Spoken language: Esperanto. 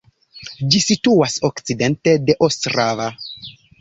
Ĝi situas okcidente de Ostrava.